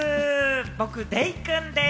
僕、デイくんです！